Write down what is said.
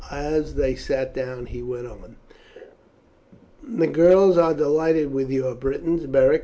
As they sat down he went on: "The girls are delighted with your Britons, Beric.